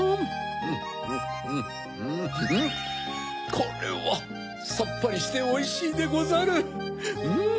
これはさっぱりしておいしいでござる！